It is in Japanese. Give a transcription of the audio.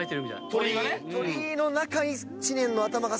鳥居がね。